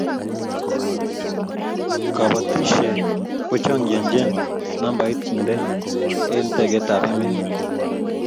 kabotishee kuchongonchineeen nambait kintee en tekeekab emee